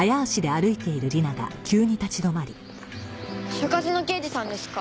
所轄の刑事さんですか？